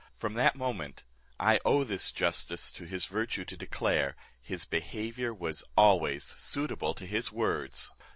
From that moment, I owe this justice to his virtue to declare, his behaviour was always suitable to his words.